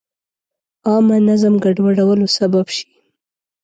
عامه نظم ګډوډولو سبب شي.